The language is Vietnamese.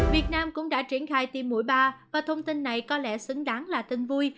việt nam cũng đã triển khai tiêm mũi ba và thông tin này có lẽ xứng đáng là tin vui